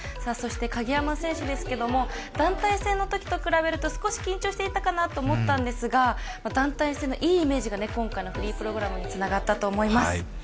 そして、鍵山選手ですが団体戦のときと比べて少し緊張していたかなと思ったんですが団体戦のいいイメージが今回のフリープログラムにつながったと思います。